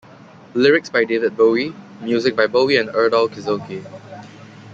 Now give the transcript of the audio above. Lyrics by David Bowie, music by Bowie and Erdal Kizilcay.